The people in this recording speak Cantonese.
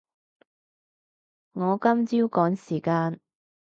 我今朝趕時間